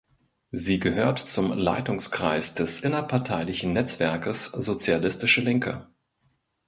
Sie gehört zum Leitungskreis des innerparteilichen Netzwerkes „Sozialistische Linke“.